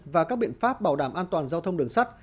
và các biện pháp bảo đảm an toàn giao thông đường sắt